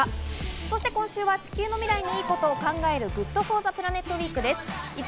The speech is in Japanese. そして今週は地球の未来にいいことを考えるＧｏｏｄＦｏｒｔｈｅＰｌａｎｅｔウィークです。